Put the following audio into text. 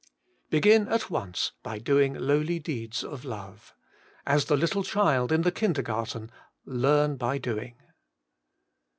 Begin at once by doing lowly deeds of love. As the little child in the kindergarten. Learn by doing.